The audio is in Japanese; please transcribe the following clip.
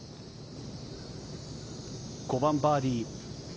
５番、バーディー。